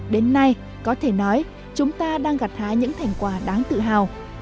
đến nay có thể nói chúng ta đang gặt hái những thành quả đáng tự hào